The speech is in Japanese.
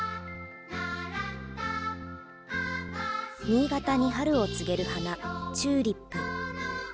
新潟に春を告げる花、チューリップ。